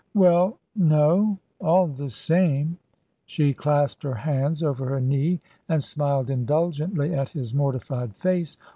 "Well, no; all the same " She clasped her hands over her knee, and smiled indulgently at his mortified face.